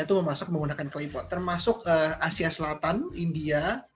itu memasak menggunakan klepot termasuk asia selatan india